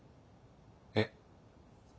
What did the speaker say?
えっ？